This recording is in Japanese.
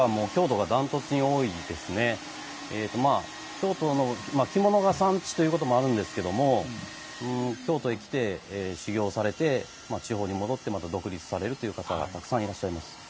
京都の着物が産地ということもあるんですけども京都へ来て修業されて地方に戻ってまた独立されるという方がたくさんいらっしゃいます。